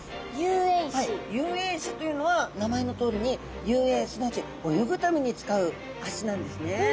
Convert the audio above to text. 遊泳肢というのは名前のとおりに遊泳すなわち泳ぐために使う脚なんですね。